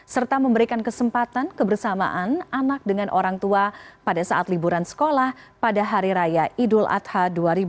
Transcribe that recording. serta memberikan kesempatan kebersamaan anak dengan orang tua pada saat liburan sekolah pada hari raya idul adha dua ribu dua puluh